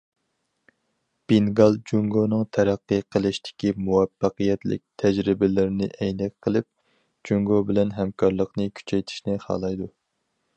بېنگال جۇڭگونىڭ تەرەققىي قىلىشتىكى مۇۋەپپەقىيەتلىك تەجرىبىلىرىنى ئەينەك قىلىپ، جۇڭگو بىلەن ھەمكارلىقنى كۈچەيتىشنى خالايدۇ.